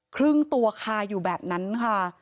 ครึ่งตัวคาอยู่แบบนั้นค่ะ